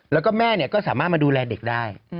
แล้วก็แม่ก็สามารถมาดูแลเด็กได้